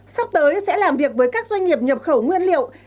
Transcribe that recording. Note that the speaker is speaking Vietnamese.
sắp tới sẽ làm việc với các doanh nghiệp nhập khẩu nguyên liệu